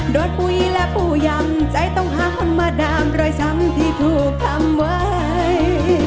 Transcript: โดยปุ๋ยและผู้ยำใจต้องหาคนมาดามรอยช้ำที่ถูกทำไว้